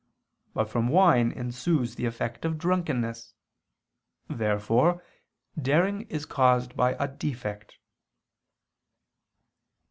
But from wine ensues the effect of drunkenness. Therefore daring is caused by a defect.